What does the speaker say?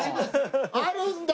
あるんだ！